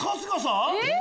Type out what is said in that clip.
えっ？